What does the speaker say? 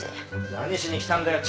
何しに来たんだよ？